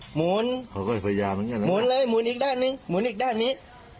หมุนหมุนเลยหมุนอีกด้านหนึ่งหมุนอีกด้านนี้